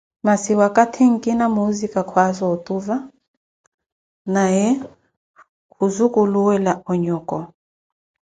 Masi wakathi nkina muusika khwaaza otuva na we khuzukuluwela onyoko.